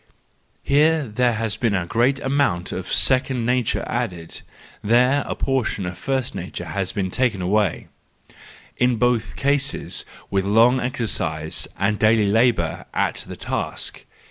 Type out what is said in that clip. Here there has been a great amount of second nature added, there a portion of first nature has been taken away:—in both cases with long exer¬ cise and daily labour at the task.